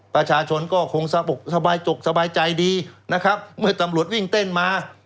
ประชาชนก็คงสบายจกสบายใจดีนะครับเมื่อตำรวจวิ่งเต้นมา